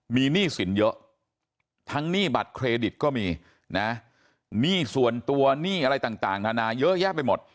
หนี้ส่วนตัวหนี้อะไรต่างทางนานาเยอะแยะไปหมด